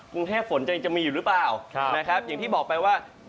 กรุงเทพฝนจะยังจะมีอยู่หรือเปล่านะครับอย่างที่บอกไปว่า